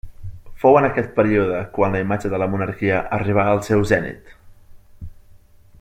Fou en aquest període quan la imatge de la monarquia arribà al seu zenit.